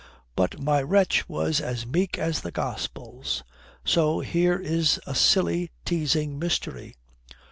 But my wretch was as meek as the Gospels. So here is a silly, teasing mystery.